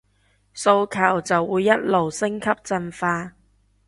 訴求就會一路升級進化